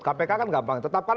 kpk kan gampang tetapkan